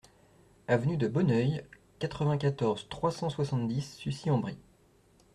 Avenue de Bonneuil, quatre-vingt-quatorze, trois cent soixante-dix Sucy-en-Brie